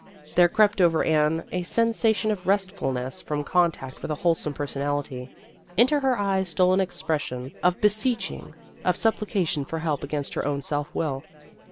There crept over Anne a sensation of rest fulness from contact with a wholesome personality ; into her eyes stole an expres sion of beseeching of supplication for help against her own self will.